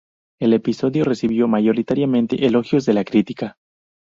El episodio recibió mayoritariamente elogios de la crítica.